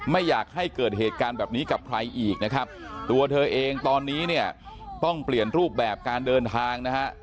ไม่อยากให้เกิดเหตุการณ์แบบนี้กับใครอีกนะครับตัวเธอเองตอนนี้เนี่ยต้องเปลี่ยนรูปแบบการเดินทางนะฮะ